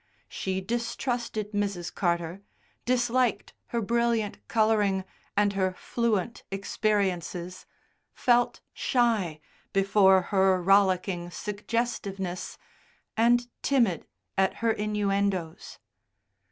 She distrusted Mrs. Carter, disliked her brilliant colouring and her fluent experiences, felt shy before her rollicking suggestiveness, and timid at her innuendoes.